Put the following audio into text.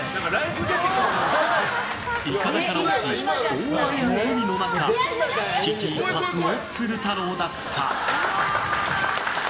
いかだから落ち大荒れの海の中危機一髪の鶴太郎だった。